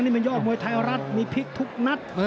นี่มันยอดมวยไทยรัฐมีพลิกทุกนัด